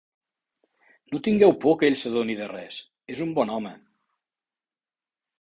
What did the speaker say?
No tingueu por que ell s'adoni de res: és un bon home.